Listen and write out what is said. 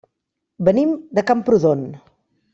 Venim de Camprodon.